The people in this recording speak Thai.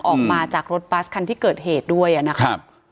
ออกมาจากรถบัสคันที่เกิดเหตุด้วยนะครับ